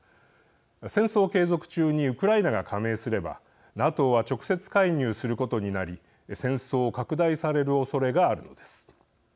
戦争継続中にウクライナが加盟すればＮＡＴＯは直接介入することになり戦争を拡大されるおそれがあるのです。